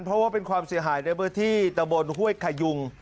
เพราะว่าเป็นความเสียหายในพื้นที่ตะบนห้วยขยุง